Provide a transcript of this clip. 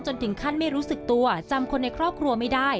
ถึงขั้นไม่รู้สึกตัวจำคนในครอบครัวไม่ได้